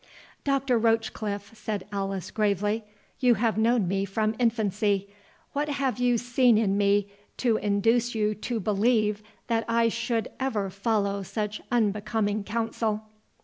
"Doctor Rochecliffe," said Alice gravely,—"you have known me from infancy,—What have you seen in me to induce you to believe that I should ever follow such unbecoming counsel?"